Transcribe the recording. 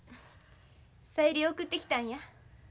小百合を送ってきたんや。